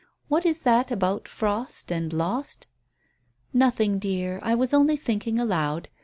"What is that about 'frost' and 'lost'?" "Nothing, dear, I was only thinking aloud."